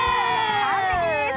完璧です。